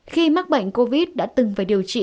khi mắc bệnh covid đã từng phải điều trị